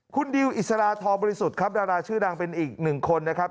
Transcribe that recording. คุณดิวอิสราทบริสุทธิ์ดาราชื่อดังเป็นอีก๑คนนะครับ